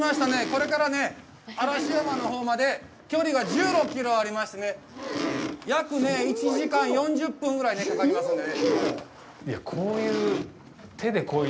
これからね、嵐山のほうまで、距離が１６キロありましてね、約１時間４０分ぐらいかかりますので。